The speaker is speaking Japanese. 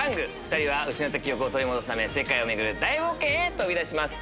２人は失った記憶を取り戻すため世界を巡る大冒険へ飛び出します。